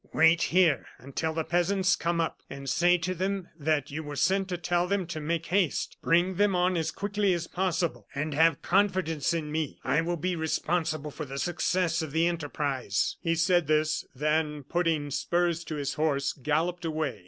"Wait here until the peasants come up, and say to them that you were sent to tell them to make haste. Bring them on as quickly as possible, and have confidence in me; I will be responsible for the success of the enterprise." He said this, then putting spurs to his horse, galloped away.